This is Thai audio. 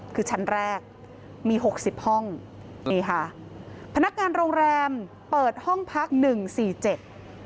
คือชั้นแรกมีหกสิบห้องนี่ค่ะพนักงานโรงแรมเปิดห้องพักหนึ่งสี่เจ็ด